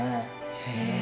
へえ。